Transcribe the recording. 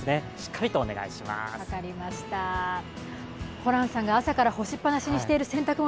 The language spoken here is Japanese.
ホランさんが朝から干しっぱなしにしている洗濯物